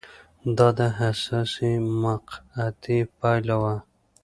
دا د حساسې مقطعې پایله وه